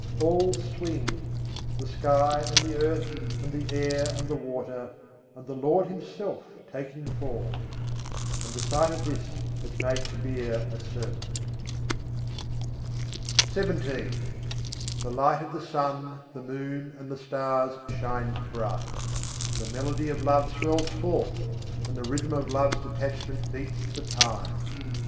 All swing! the sky and the earth and the air and the water; and the Lord Himself taking form: And the sight of this has made Kabîr a servant. XVII II. 61. grah candra tapan jot varat hai The light of the sun, the moon, and the stars shines bright: The melody of love swells forth, and the rhythm of love's detachment beats the time.